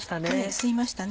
吸いましたね。